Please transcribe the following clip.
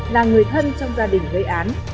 là người thân trong gia đình gây án